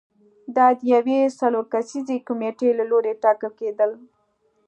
دا د یوې څلور کسیزې کمېټې له لوري ټاکل کېدل